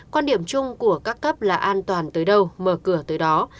quan điểm chung của các cấp là an toàn tới đâu mở cửa tới đó